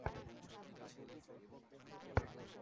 চুপ করো তো!